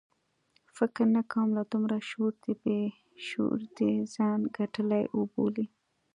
فکر نه کوم له دومره شعور دې یې ځان ګټلی وبولي.